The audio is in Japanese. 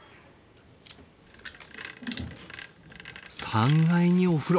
３階にお風呂。